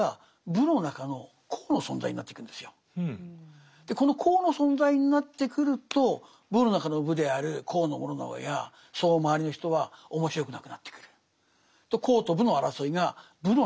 するとこの「公」の存在になってくると「武」の中の「武」である高師直やその周りの人は面白くなくなってくる。